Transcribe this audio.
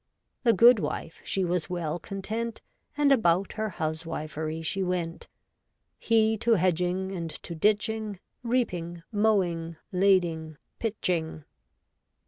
The goodwife she was well content, And about her huswivery she went ; He to hedging and to ditching. Reaping, mowing, lading, pitching.